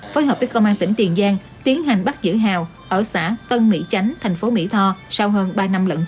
phối hợp với công an tỉnh tiền giang tiến hành bắt giữ hào ở xã tân mỹ chánh thành phố mỹ tho sau hơn ba năm lẫn